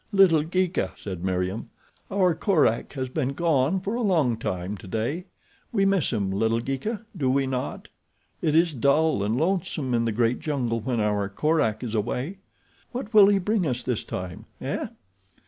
"Little Geeka," said Meriem, "our Korak has been gone for a long time today. We miss him, little Geeka, do we not? It is dull and lonesome in the great jungle when our Korak is away. What will he bring us this time, eh?